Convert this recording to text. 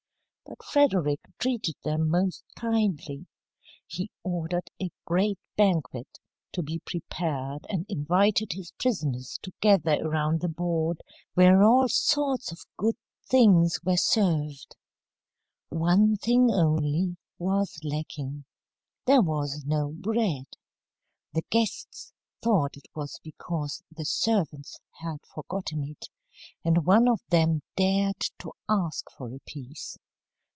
But Frederick treated them most kindly. He ordered a great banquet to be prepared, and invited his prisoners to gather around the board, where all sorts of good things were served. One thing only was lacking. There was no bread. The guests thought it was because the servants had forgotten it, and one of them dared to ask for a piece.